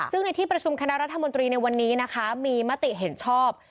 ซึ่งในที่ประชุมคณะรัฐมนตรีในวันนี้นะคะมีมติเห็นชอบ